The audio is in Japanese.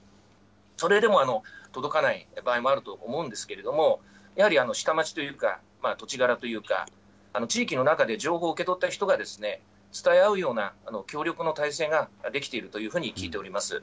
それでも届かない場合もあると思うんですけれども、やはり下町というか、土地柄というか、地域の中で情報を受け取った人が、伝え合うような協力の態勢が出来ているというふうに聞いております。